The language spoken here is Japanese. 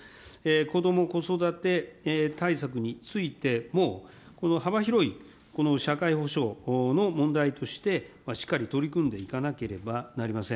こども・子育て対策についても、幅広い社会保障の問題として、しっかり取り組んでいかなければなりません。